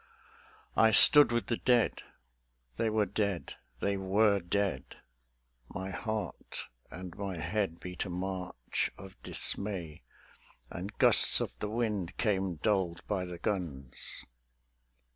I stood with the Dead.... They were dead; they were dead; My heart and my head beat a march of dismay: And gusts of the wind came dulled by the guns